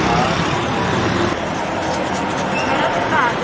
สวัสดีทุกคน